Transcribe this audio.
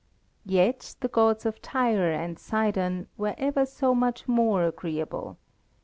Yet the gods of Tyre and Sidon were ever so much more agreeable.